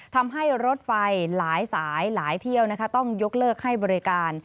ทำให้รถไฟหลายสายหลายเที่ยวต้องยกเลิกให้บริการ